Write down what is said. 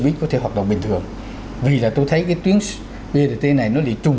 buýt có thể hoạt động bình thường vì là tôi thấy cái tuyến brt này nó lại chung